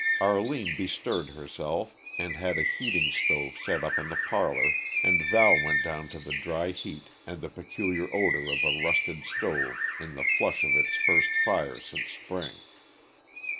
Arline bestirred herself, and had a heating stove set up in the parlor, and Val went down to the dry heat and the peculiar odor of a rusted stove in the flush of its first fire since spring.